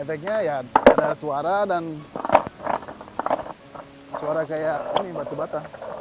efeknya ya ada suara dan suara kayak ini batu bata